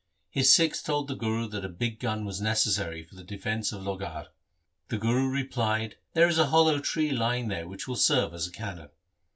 His Sikhs told the Guru that a big gun was neces sary for the defence of Lohgarh. The Guru replied, ' There is a hollow tree lying there which will serve as a cannon.'